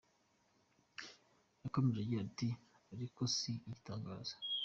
Yakomeje agira ati “Ariko si igitangaza.